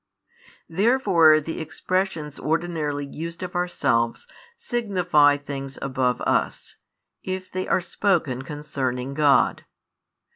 Therefore the expressions ordinarily used of ourselves signify things above us, if they are spoken concerning God.